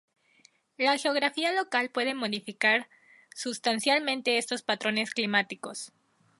La geografía local puede modificar sustancialmente estos patrones climáticos.